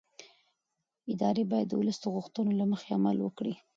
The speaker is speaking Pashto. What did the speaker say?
ادارې باید د ولس د غوښتنو له مخې عمل وکړي